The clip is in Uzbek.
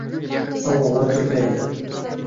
Savollar ko’paydi…